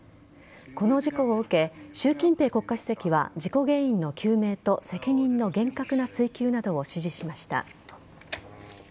この事故を受け習近平国家主席は事故原因の究明と責任の厳格な追及などを指示しました。